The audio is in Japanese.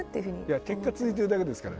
いや結果続いてるだけですから。